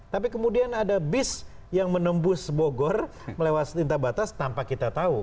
tapi kemudian ada bis yang menembus bogor melewas tinta batas tanpa kita tahu